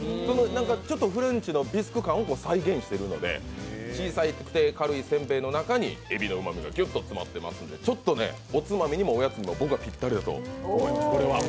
ちょっとフレンチのビスク感を再現しているので、小さくて軽いせんべいの中に海老のうまみがギュッと詰まっていますのでおつまみにも、おやつにも僕はぴったりやと思います。